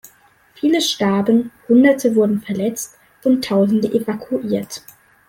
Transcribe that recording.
Viele starben, Hunderte wurden verletzt und Tausende evakuiert.